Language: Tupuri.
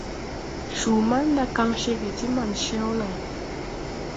Cuu manda kan ceege ti man cew lay.